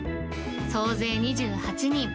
総勢２８人。